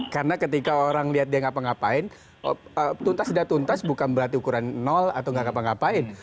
karena ketika orang lihat dia ngapa ngapain tuntas sudah tuntas bukan berarti ukuran atau nggak ngapa ngapain